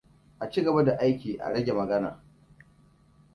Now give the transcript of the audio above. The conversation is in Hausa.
A ci gaba da aiki a rage magana!